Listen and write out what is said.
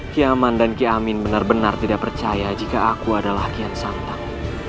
kiaman dan kiamin benar benar tidak percaya jika aku adalah kiat santang